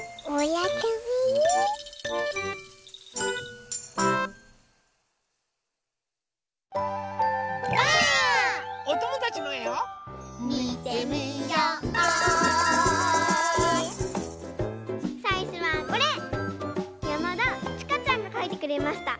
やまだちかちゃんがかいてくれました。